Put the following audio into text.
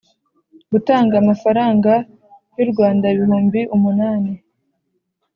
gutanga amafaranga y u Rwanda ibihumbi umunani